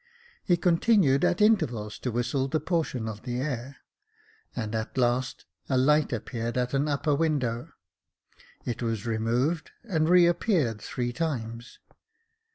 He con tinued at intervals to whistle the portion of the air, and at last a light appeared at an upper window : it was removed, and re appeared three times.